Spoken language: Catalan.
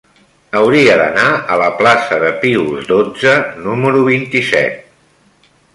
Hauria d'anar a la plaça de Pius dotze número vint-i-set.